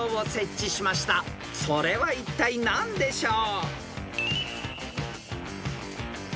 ［それはいったい何でしょう？］